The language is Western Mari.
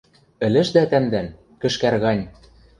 Ӹлӹшдӓ тӓмдӓн — кӹшкӓр гань.